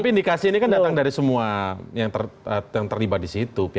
tapi indikasi ini kan datang dari semua yang terlibat di situ